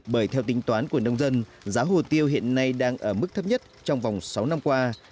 bởi theo tính toán của nông dân giá hồ tiêu hiện nay đang ở mức thấp nhất trong vòng sáu năm qua